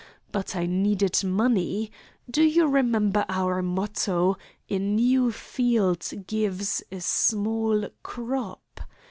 But I needed money. Do you remember our motto, 'A new field gives a small crop'?